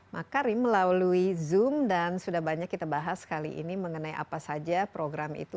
makarim melalui zoom dan sudah banyak kita bahas kali ini mengenai apa saja program itu